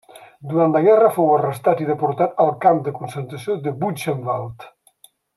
Durant la guerra fou arrestat i deportat al camp de concentració de Buchenwald.